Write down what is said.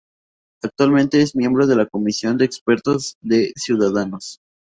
Actualmente, es miembro de la comisión de expertos de Ciudadanos.